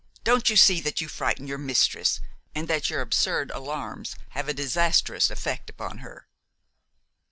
don't you see that you frighten your mistress and that your absurd alarms have a disastrous effect upon her?"